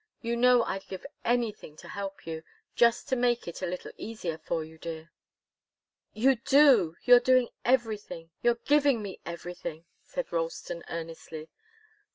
You know I'd give anything to help you just to make it a little easier for you, dear." "You do! You're doing everything you're giving me everything," said Ralston, earnestly.